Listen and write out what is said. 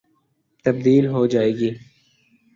تبدیل ہو جائے گی۔